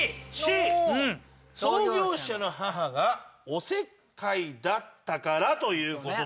「創業者の母がおせっかいだったから」という事ですね。